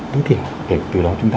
đối thiểu để từ đó chúng ta